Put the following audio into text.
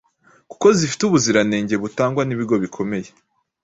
kuko zifite ubuziranenge butangwa n’ibigo bikomeye